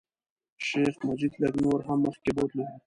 شیخ مجید لږ نور هم مخکې بوتلو.